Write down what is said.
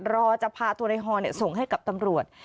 รอจะพาตัวในฮอส่งให้กับตำรวจ